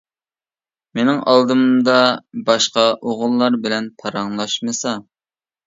مىنىڭ ئالدىمدا باشقا ئوغۇللار بىلەن پاراڭلاشمىسا.